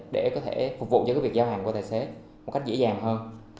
để có thể phục vụ cho việc giao hàng của tài xế một cách dễ dàng hơn